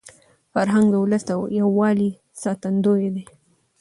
فرهنګ د ولس د یووالي ساتندوی دی.